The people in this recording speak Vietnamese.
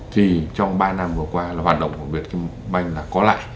thì trong ba năm vừa qua là hoạt động của vietcombank là có lại